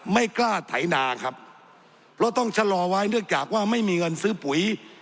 ไม่กล้าไถนาครับเพราะต้องชะลอไว้เนื่องจากว่าไม่มีเงินซื้อปุ๋ย